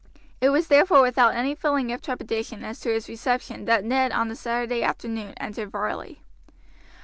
It was therefore without any feeling of trepidation as to his reception that Ned on the Saturday afternoon entered Varley.